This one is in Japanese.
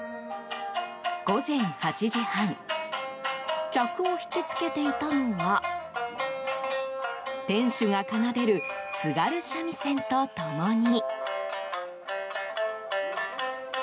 午前８時半客を引き付けていたのは店主が奏でる津軽三味線と共に。